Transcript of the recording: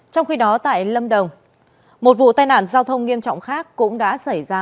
trong khi đó tại lâm đồng một vụ tai nạn giao thông nghiêm trọng khác cũng đã xảy ra